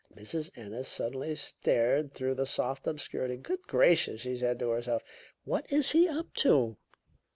Mrs. Ennis suddenly stared through the soft obscurity. "Good gracious," she said to herself, "what is he up to?"